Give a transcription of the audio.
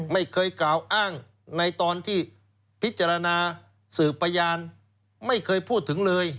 ไม่เคยกล่าวอ้างในตอนที่พิจารณาสืบพยานไม่เคยพูดถึงเลย